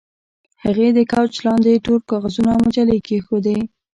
هغې د کوچ لاندې ټول کاغذونه او مجلې کیښودې